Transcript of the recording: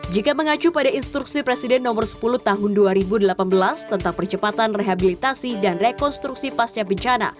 jika mengacu pada instruksi presiden nomor sepuluh tahun dua ribu delapan belas tentang percepatan rehabilitasi dan rekonstruksi pasca bencana